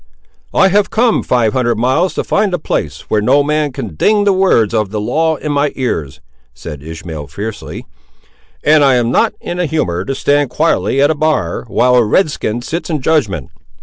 "I have come five hundred miles to find a place where no man can ding the words of the law in my ears," said Ishmael, fiercely, "and I am not in a humour to stand quietly at a bar, while a red skin sits in judgment.